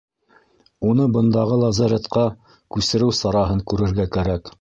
Уны бындағы лазаретҡа күсереү сараһын күрергә кәрәк.